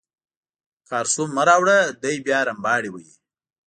کارسو مه راوړه دی بیا رمباړې وهي.